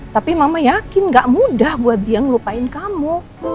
tapi mama yakin gak mudah buat dia ngelupain kamu